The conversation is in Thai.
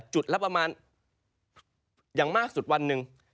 จุดละประมาณอย่างมากสุดวันหนึ่ง